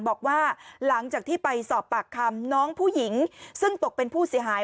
บอกว่าหลังจากที่ไปสอบปากคำน้องผู้หญิงซึ่งตกเป็นผู้เสียหาย